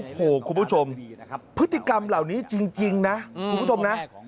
โอ้โหคุณผู้ชมพฤติกรรมเหล่านี้จริงนะคุณผู้ชมนะ